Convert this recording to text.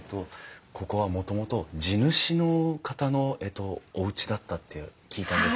ここはもともと地主の方のえっとおうちだったって聞いたんですけれども。